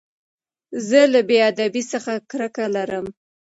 زه له بې ادبۍ څخه کرکه لرم.